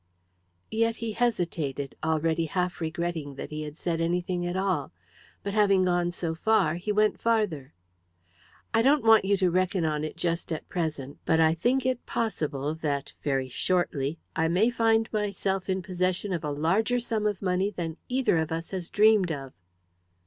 Yet he hesitated, already half regretting that he had said anything at all. But, having gone so far, he went farther. "I don't want you to reckon on it just at present, but I think it possible that, very shortly, I may find myself in possession of a larger sum of money than either of us has dreamed of."